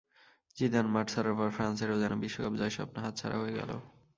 Zidane মাঠ ছাড়ার পর ফ্রান্সেরও যেন বিশ্বকাপ জয়ের স্বপ্ন হাতছাড়া হয়ে গেল।